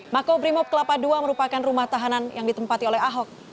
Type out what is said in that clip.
mako brimob kelapa dua merupakan rumah tahanan yang ditempati oleh ahok